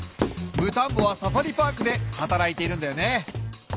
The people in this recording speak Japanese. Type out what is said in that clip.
ムタンボはサファリ・パークではたらいているんだよね。